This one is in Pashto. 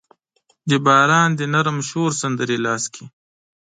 د باران د نرم شور سندرې لاس کې